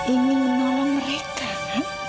ingin menolong mereka kan